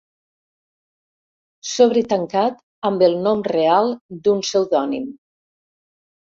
Sobre tancat amb el nom real d'un pseudònim.